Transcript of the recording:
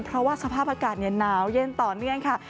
เพราะว่าสภาพอากาศหนาวเย็นต่อเนื่องค่ะ